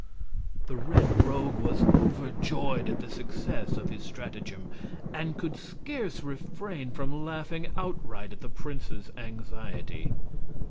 The Red Rogue was overjoyed at the success of his stratagem, and could scarce refrain from laughing outright at the prince's anxiety.